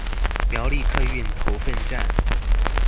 苗栗客運頭份站